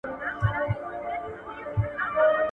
افغان نجوني بهر ته د سفر ازادي نه لري.